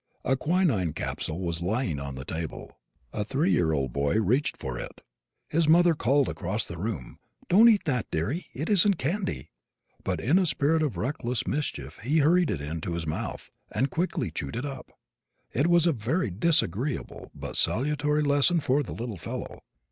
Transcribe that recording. A quinine capsule was lying on the table. A three year old boy reached for it. His mother called across the room, "Don't eat that, dearie, it isn't candy." But in a spirit of reckless mischief he hurried it into his mouth and quickly chewed it up! It was a very disagreeable but salutary lesson for the little fellow.